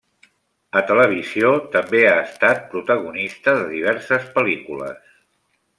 A televisió també ha estat protagonista de diverses pel·lícules.